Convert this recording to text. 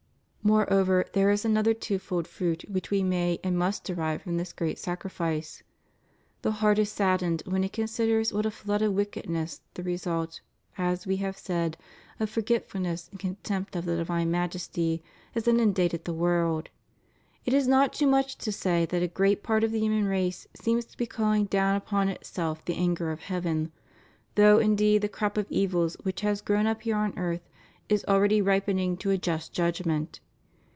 Moreover there is another twofold fruit which we may and must derive from this great sacrifice. The heart is saddened when it considers what a flood of mckedness, the result — as We have said — of forgetfulness and con tempt of the divine Majesty, has inundated the world. It is not too much to say that a great part of the human race seems to be calling down upon itself the anger of heaven; though indeed the crop of evils which has grown up here on earth is already ripening to a just judgment.